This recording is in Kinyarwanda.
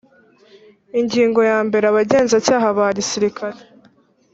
Ingingo yambere Abagenzacyaha ba Gisirikare